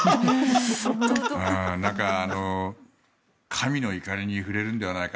なんか神の怒りに触れるのではないか。